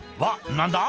何だ？